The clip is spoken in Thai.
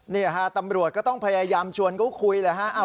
นี่ฮะตำรวจก็ต้องพยายามชวนเขาคุยแหละฮะ